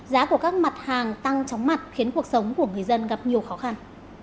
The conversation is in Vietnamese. giá của các mặt hàng tăng chóng mặt khiến cuộc sống của người dân gặp nhiều khó khăn